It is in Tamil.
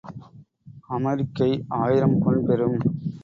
அமரிக்கை ஆயிரம் பொன் பெறும்.